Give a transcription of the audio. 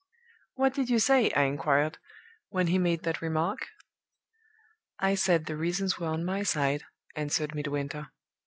"'What did you say,' I inquired, 'when he made that remark?' "'I said the reasons were on my side,' answered Midwinter.